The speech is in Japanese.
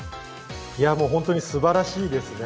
本当にすばらしいですね。